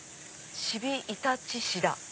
シビイタチシダ。